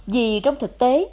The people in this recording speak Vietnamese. vì trong thực tế